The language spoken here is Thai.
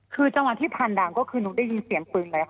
คือจังหวะที่ผ่านด่านก็คือหนูได้ยินเสียงปืนเลยค่ะ